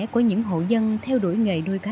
của những hộ dân theo đuổi nghề nuôi cá ba sa